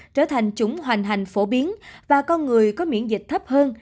trở thành chủng hoành hành phổ biến và con người có miễn dịch thấp hơn